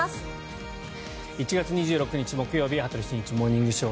１月２６日、木曜日「羽鳥慎一モーニングショー」。